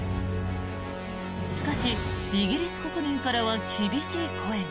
しかし、イギリス国民からは厳しい声が。